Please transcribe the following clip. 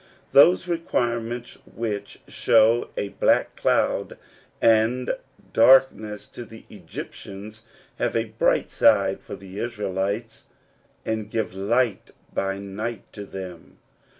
Those requirements, which show a black cloud and dark ness to the Egyptians, have a bright side for the Israelites, and give light by night to them.